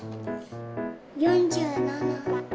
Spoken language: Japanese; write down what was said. ４７。